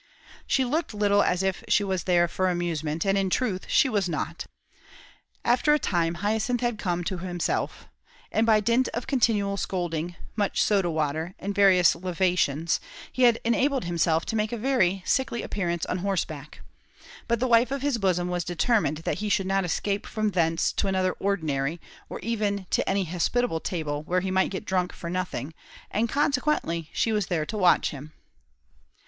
She looked little as if she was there for amusement, and, in truth, she was not. After a time, Hyacinth had come to himself; and by dint of continual scolding, much soda water, and various lavations, he had enabled himself to make a very sickly appearance on horseback; but the wife of his bosom was determined that he should not escape from thence to another ordinary, or even to any hospitable table where he might get drunk for nothing; and, consequently, she was there to watch him.